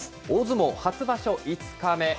大相撲、初場所５日目。